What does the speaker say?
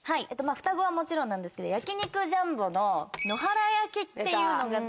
ふたごはもちろんなんですけど焼肉ジャンボの野原焼きっていうのが。